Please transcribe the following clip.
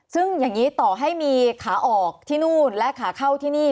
ซึ่งอย่างนี้ต่อให้มีขาออกที่นู่นและขาเข้าที่นี่